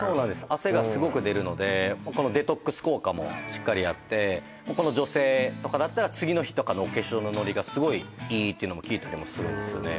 汗がすごく出るのでこのデトックス効果もしっかりあってこの女性とかだったら次の日のお化粧のノリがすごいいいっていうのも聞いたりもするんですよね